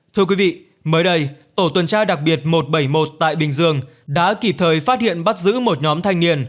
thưa quý vị mới đây tổ tuần tra đặc biệt một trăm bảy mươi một tại bình dương đã kịp thời phát hiện bắt giữ một nhóm thanh niên